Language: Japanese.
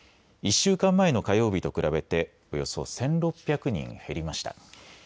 １週間前の火曜日と比べて、およそ１６００人減りました。